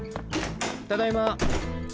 ただいま。